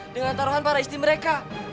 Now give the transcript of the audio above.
dengan taruhan para istri mereka